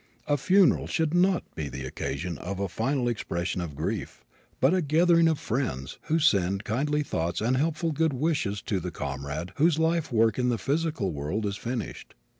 A funeral should not be the occasion of a final expression of grief, but a gathering of friends who send kindly thoughts and helpful good wishes to the comrade whose life work in the physical world is finished.